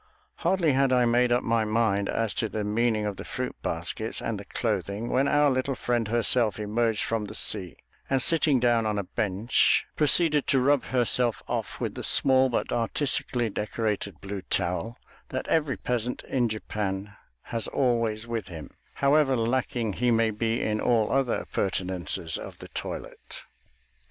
Hardly had I made up my mind as to the meaning of the fruit baskets and the clothing, when our little friend herself emerged from the sea and, sitting down on a bench, proceeded to rub herself off with the small but artistically decorated blue towel that every peasant in Japan has always with him, however lacking he may be in all other appurtenances of the toilet.